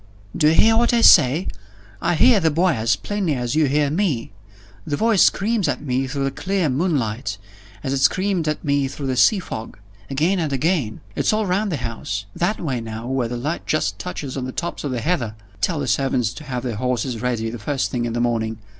"Do you hear what I say? I hear the boy as plainly as you hear me. The voice screams at me through the clear moonlight, as it screamed at me through the sea fog. Again and again. It's all round the house. That way now, where the light just touches on the tops of the heather. Tell the servants to have the horses ready the first thing in the morning.